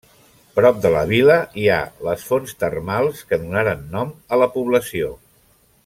Prop de la vila hi ha les fonts termals que donaren nom a la població.